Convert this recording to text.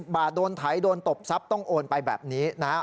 บาทโดนไถโดนตบทรัพย์ต้องโอนไปแบบนี้นะฮะ